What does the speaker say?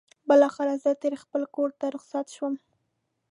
بالاخره زه ترې خپل کور ته رخصت شوم.